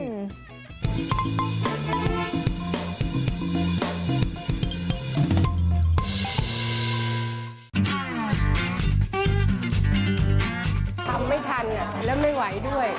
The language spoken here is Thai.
ทำไม่ทันแล้วไม่ไหวด้วย